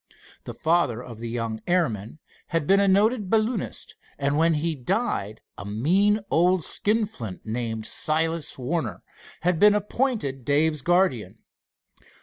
The father of the young airman had been a noted balloonist, and when he died a mean old skinflint named Silas Warner had been appointed Dave's guardian.